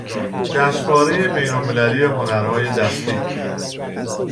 جشنوارهی بینالمللی هنرهای دستی